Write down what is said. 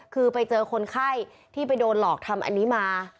คือไปเจอคนไข้ที่ไปโดนหลอกทำอันนี้มา